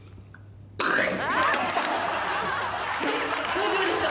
大丈夫ですか？